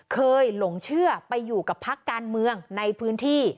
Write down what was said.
หลงเชื่อไปอยู่กับพักการเมืองในพื้นที่